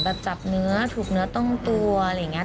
จับเนื้อถูกเนื้อต้องตัวอะไรอย่างนี้